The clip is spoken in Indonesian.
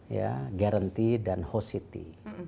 ya guarantee dan host city